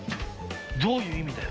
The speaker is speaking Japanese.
どういう意味だよ。